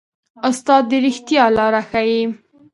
استاد د ریښتیا لاره ښيي.